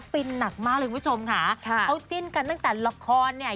ฟินหนักมากเลยคุณผู้ชมค่ะเขาจิ้นกันตั้งแต่ละครเนี่ย